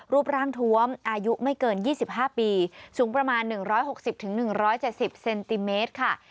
รูปร่างท้วมอายุไม่เกินยี่สิบห้าปีสูงประมาณหนึ่งร้อยหกสิบถึงหนึ่งร้อยเจ็ดสิบเซนติเมตรค่ะ